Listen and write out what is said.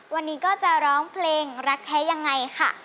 วันนี้ก็จะร้องเพลงรักแท้ยังไงค่ะ